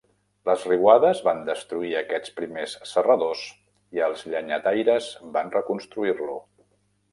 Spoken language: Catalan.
Les riuades van destruir aquests primers serradors i els llenyataires van reconstruir-lo.